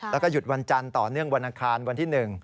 แล้วก็หยุดวันจันทร์ต่อเนื่องวันอังคารวันที่๑